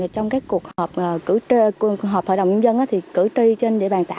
trong các cuộc họp hội đồng dân thì cử tri trên địa bàn xã